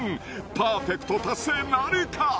パーフェクト達成なるか？